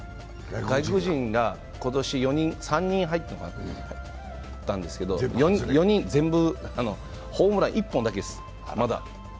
外国人が今年３人入ったんですけど４人全部、ホームラン１本だけです、まだ。